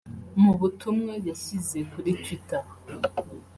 Mu butumwa yashyize kuri Twitter